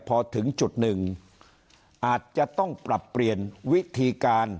พอถึงจุดหนึ่งอาจจะต้องปรับเปลี่ยนวิธีการ